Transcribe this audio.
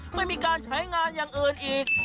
ไม่มีการใช้งานอย่างอื่นอีก